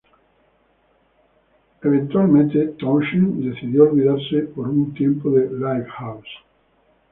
Eventualmente, Townshend decidió olvidarse por un tiempo de "Lifehouse".